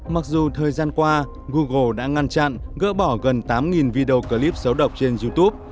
mặc dù thời gian qua google đã ngăn chặn gỡ bỏ gần tám video clip xấu độc trên youtube